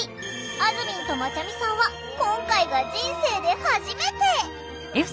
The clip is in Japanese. あずみんとまちゃみさんは今回が人生で初めて！